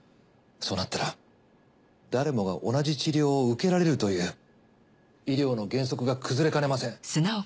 そうなったら誰もが同じ治療を受けられるという医療の原則が崩れかねません。